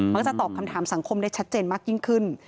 มันก็จะตอบคำถามสังคมได้ชัดเจนมากยิ่งขึ้น